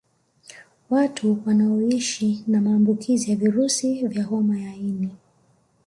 Watu wanaoishi na maambukizi ya virusi vya homa ya ini